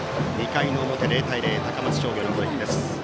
２回の表、０対０高松商業の攻撃です。